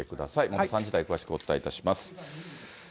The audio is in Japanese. また３時台、詳しくお伝えします。